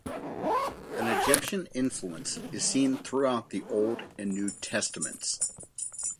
An Egyptian influence is seen throughout the Old and New Testaments.